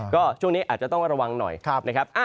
ก็ช่วงนี้อาจจะต้องระวังหน่อยนะครับ